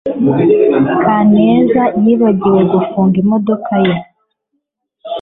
kaneza yibagiwe gufunga imodoka ye